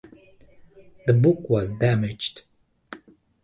The book was damaged.